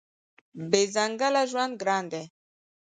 بې ځنګله ژوند ګران دی.